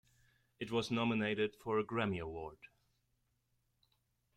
It was nominated for a Grammy Award.